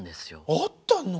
あったの？